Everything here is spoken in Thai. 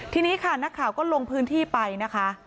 ทีนี้นะคะก็ลงพื้นที่ไปนะคะ